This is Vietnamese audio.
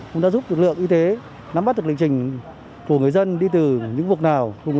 chúng ta giúp lượng y tế nắm bắt được lệnh trình của người dân đi từ những vùng nào